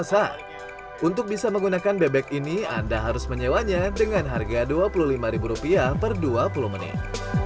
untuk bisa menggunakan bebek ini anda harus menyewanya dengan harga rp dua puluh lima per dua puluh menit